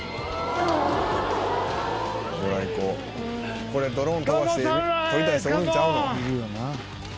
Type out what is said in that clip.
「ご来光」「これドローン飛ばして撮りたい人おるんちゃうの？」